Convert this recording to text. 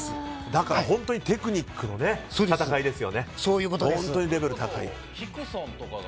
本当にテクニックの戦いですね。